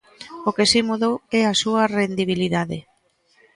O que si mudou é a súa rendibilidade.